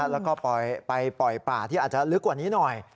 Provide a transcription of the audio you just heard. แล้วก็ไปปล่อยป่าที่อาจจะลึกกว่านี้หน่อย